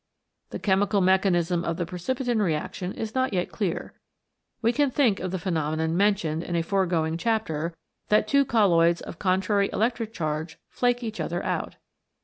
The chemical mechanism of the precipitin reaction is not yet clear. We can think of the phenomenon mentioned in a foregoing chapter, that two colloids of contrary electric charge flake each other out.